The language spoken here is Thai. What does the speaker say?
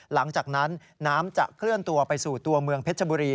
หลังจากนั้นน้ำจะเคลื่อนตัวไปสู่ตัวเมืองเพชรบุรี